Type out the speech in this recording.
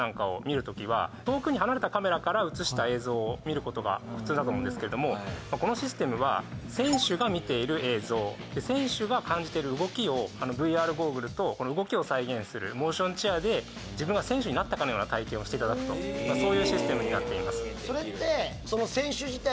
はい普段私たちがことが普通だと思うんですけれどもこのシステムは選手が見ている映像選手が感じてる動きをＶＲゴーグルとこの動きを再現するモーションチェアで自分が選手になったかのような体験をしていただくとそういうシステムになっています